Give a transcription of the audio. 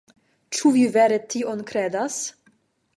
Ĉu vi vere tion kredas?